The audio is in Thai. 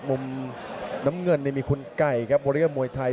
มุมน้ำเงินมีคุณไก่ครับบริเวณมวยไทย